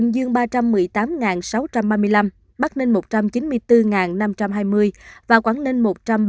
dương ba trăm một mươi tám sáu trăm ba mươi năm bắc ninh một trăm chín mươi bốn năm trăm hai mươi và quảng ninh một trăm ba mươi một hai trăm hai mươi hai